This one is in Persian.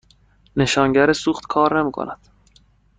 نشانگر سوخت کار نمی کند.